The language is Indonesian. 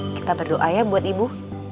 kita berdoa ya buat ibu